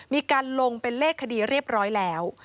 มีการลงเป็นเลขคดีเรียบร้อยแล้ว